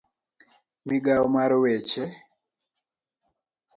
Migawo mar weche